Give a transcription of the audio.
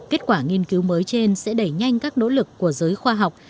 kết quả nghiên cứu mới trên sẽ đẩy nhanh các nỗ lực của giới khoa học